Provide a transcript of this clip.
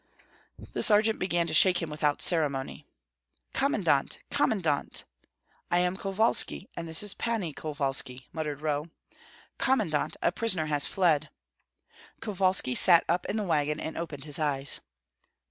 The sergeant began to shake him without ceremony. "Commandant! commandant!" "I am Kovalski, and this is Pani Kovalski," muttered Roh. "Commandant, a prisoner has fled." Kovalski sat up in the wagon and opened his eyes.